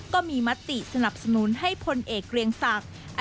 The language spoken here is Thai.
ก็มีมติสนับสนุนให้พลเอกเกรียงศักดิ์